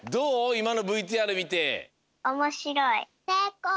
いまのＶＴＲみて。